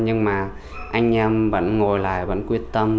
nhưng mà anh em vẫn ngồi lại vẫn quyết tâm